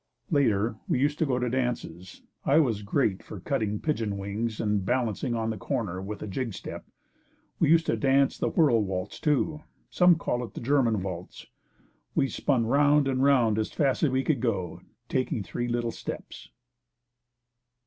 Later we used to go to dances. I was great for cutting pigeon wings and balancing on the corner with a jig step. We used to dance the whirl waltz, too. Some called it the German waltz. We spun round and round as fast as we could, taking three little steps.